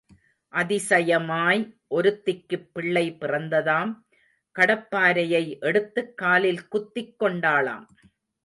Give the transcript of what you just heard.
அதிசயமாய் ஒருத்திக்குப் பிள்ளை பிறந்ததாம், கடப்பாரையை எடுத்துக் காலில் குத்திக் கொண்டாளாம்.